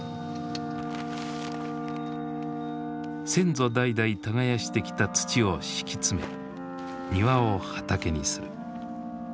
先祖代々耕してきた土を敷き詰め庭を畑にする。